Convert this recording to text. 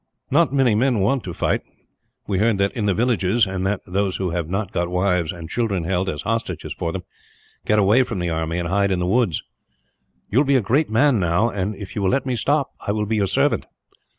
"Not many men want to fight. We heard that in the villages, and that those who have not got wives and children held, as hostages for them, get away from the army and hide in the woods. "You will be a great man now and, if you will let me stop, I will be your servant."